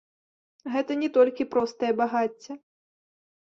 Гэта не толькі простае багацце.